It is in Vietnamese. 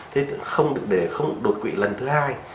thế không được để không đột quỵ lần thứ hai